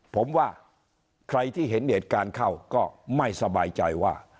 ผมว่าใครที่เห็นเหตุการณ์เข้าก็ไม่สบายใจว่า